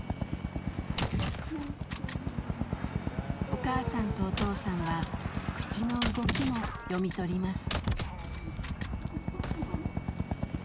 お母さんとお父さんは口の動きも読み取ります。